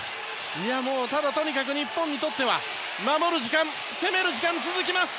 とにかく日本にとっては守る時間、攻める時間が続きます。